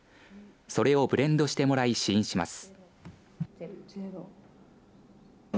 それをブレンドして試飲します。